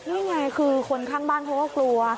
นี่ไงคือคนข้างบ้านเขาก็กลัว